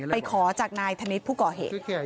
ไปขอจากนายธนิดผู้ก่อเหตุ